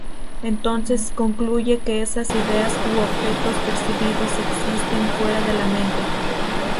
Entonces concluye que esas ideas u objetos percibidos existen fuera de la mente.